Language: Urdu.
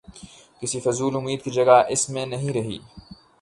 کسی فضول امید کی جگہ اس میں نہیں رہی۔